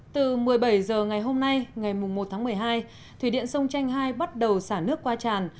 từ một mươi bảy h ngày hôm nay ngày một tháng một mươi hai thủy điện sông chanh hai bắt đầu xả nước qua tràn